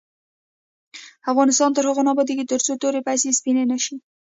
افغانستان تر هغو نه ابادیږي، ترڅو توري پیسې سپینې نشي.